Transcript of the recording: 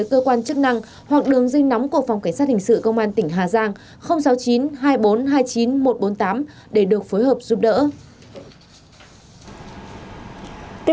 cảm ơn các bạn đã theo dõi